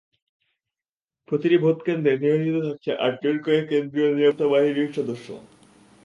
প্রতিটি ভোট কেন্দ্রে নিয়োজিত থাকছে আটজন করে কেন্দ্রীয় নিরাপত্তা বাহিনীর সদস্য।